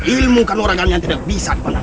ilmukan orang yang tidak bisa dipandang